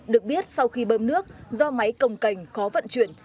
được biết sau khi bơm nước do máy cồng cành khó vận chuyển